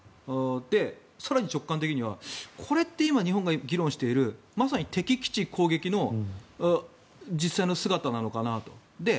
更に直感的にはこれって今、日本が議論しているまさに敵基地攻撃の実際の姿なのかなと。